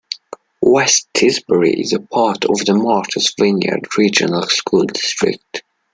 West Tisbury is a part of the Martha's Vineyard Regional School District.